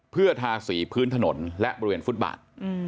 เพื่อทาสีพื้นถนนและบริเวณฟุตบาท